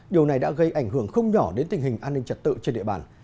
điều này đã gây ảnh hưởng không nhỏ đến tình hình an ninh trật tự trên địa bàn